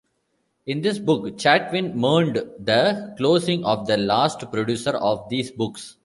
In this book Chatwin mourned the closing of the last producer of these books.